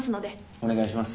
お願いします。